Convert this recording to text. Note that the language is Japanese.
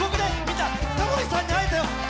タモリさんに会えたよ。